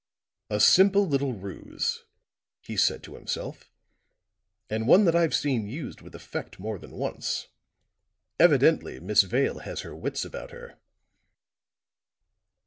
"A simple little ruse," he said to himself. "And one that I've seen used with effect more than once. Evidently Miss Vale has her wits about her."